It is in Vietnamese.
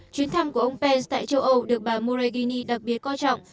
chuyến thăm của ông pence tại châu âu được bà moragini đặc biệt coi trọng